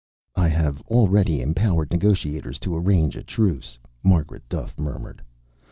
"I have already empowered negotiators to arrange a truce," Margaret Duffe murmured.